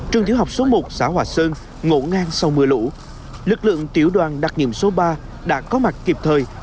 trường tiểu học số một xã hòa sơn ngộ ngang sau mưa lũ lực lượng tiểu đoàn đặc nhiệm số ba đã có mặt kịp thời